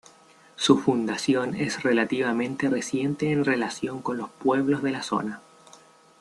Su fundación es relativamente reciente en relación con los pueblos de la zona.